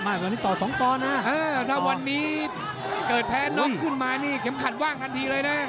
กว่านี้ต่อสองตอนนะถ้าวันนี้เกิดแพ้น็อกขึ้นมานี่เข็มขัดว่างทันทีเลยนะ